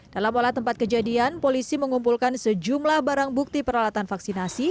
dalam olah tempat kejadian polisi mengumpulkan sejumlah barang bukti peralatan vaksinasi